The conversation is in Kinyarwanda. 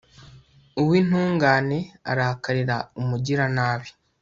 uw'intungane arakarira umugiranabi